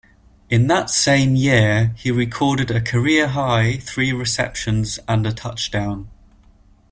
In that same year he recorded a career-high three receptions and a touchdown.